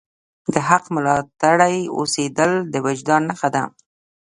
د حق ملاتړی اوسیدل د وجدان نښه ده.